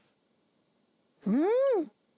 うん！